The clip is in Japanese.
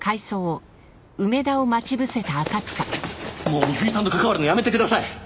もう美冬さんと関わるのやめてください！